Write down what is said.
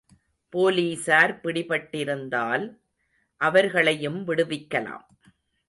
போலீசார் பிடிபட்டிருந்தால் அவர்களையும் விடுவிக்கலாம்.